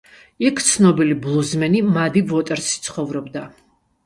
იქ ცნობილი ბლუზმენი მადი ვოტერსი ცხოვრობდა.